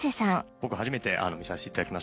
初めて見させていただきました。